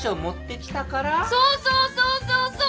そうそうそうそうそう！